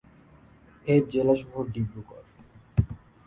এর জেলা সদর ডিব্ৰুগড়।